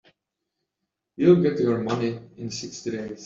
You'll get your money in sixty days.